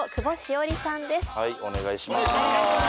お願いします。